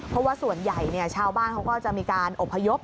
เพราะว่าส่วนใหญ่ชาวบ้านเขาก็จะมีการอบพยพ